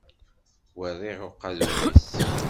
Werriɣ uqadum-is!